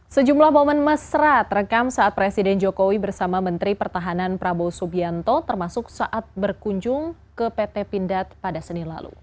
sejumlah momen mesra terekam saat presiden jokowi bersama menteri pertahanan prabowo subianto termasuk saat berkunjung ke pt pindad pada senin lalu